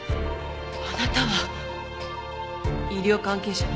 あなたは医療関係者ね。